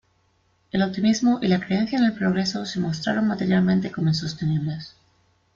El optimismo y la creencia en el progreso se mostraron materialmente como insostenibles.